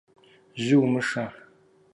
Жьы умышэ!